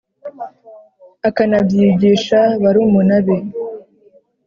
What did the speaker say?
akanabyigisha barumuna be